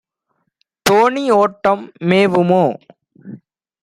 தோணிஓட்டம் மேவுமோ?